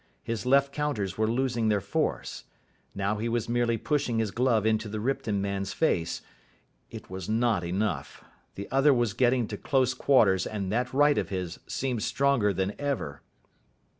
His left counters were losing their force. Now he was merely pushing his glove into the Ripton man's face. It was not enough. The other was getting to close quarters, and that right of his seemed stronger than ever.